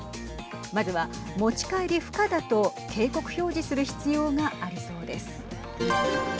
まずは持ち帰り不可だと警告表示する必要がありそうです。